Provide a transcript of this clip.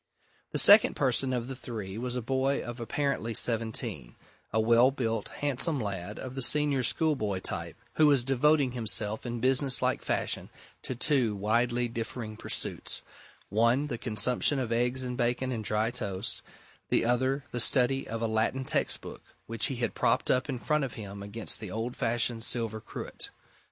The second person of the three was a boy of apparently seventeen a well built, handsome lad of the senior schoolboy type, who was devoting himself in business like fashion to two widely differing pursuits one, the consumption of eggs and bacon and dry toast; the other, the study of a Latin textbook, which he had propped up in front of him against the old fashioned silver cruet.